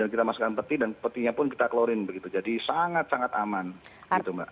dan kita masukkan peti dan petinya pun kita klorin begitu jadi sangat sangat aman gitu mbak